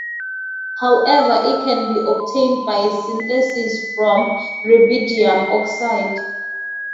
However it can be obtained by synthesis from rubidium oxide.